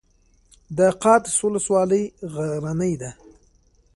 د قادس ولسوالۍ غرنۍ ده